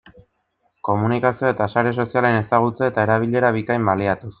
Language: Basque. Komunikazioa eta sare sozialen ezagutza eta erabilera bikain baliatuz.